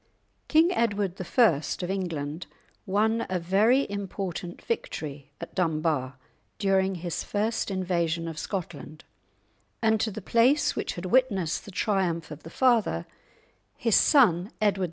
King Edward I. of England won a very important victory at Dunbar during his first invasion of Scotland, and to the place which had witnessed the triumph of the father, his son, Edward II.